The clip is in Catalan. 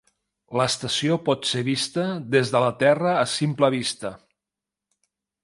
L'estació pot ser vista des de la Terra a simple vista.